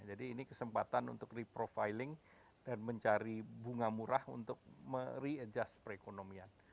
jadi ini kesempatan untuk reprofiling dan mencari bunga murah untuk mereadjust perekonomian